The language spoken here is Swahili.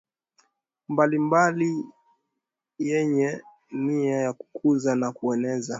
mbalimbali yenye nia ya kukuza na kueneza